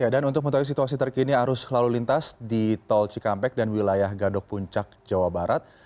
dan untuk menentukan situasi terkini arus lalu lintas di tol cikampek dan wilayah gandok puncak jawa barat